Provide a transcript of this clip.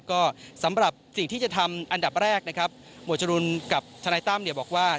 ก็สำหรับสิ่งที่จะทำอันดับแรกนะครับหมวดจรูนกับทนายตั้มเนี่ยบอกว่า